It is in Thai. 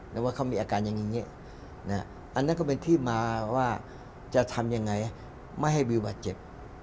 แล้วว่าเขามีอาการอย่างนี้อันนั้นก็เป็นที่มาว่าจะทำยังไงไม่ให้วิวบาดเจ็บ